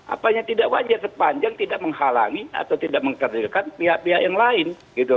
apanya tidak wajar sepanjang tidak menghalangi atau tidak mengerjakan pihak pihak yang lain